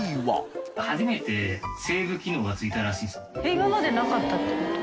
今までなかったってこと？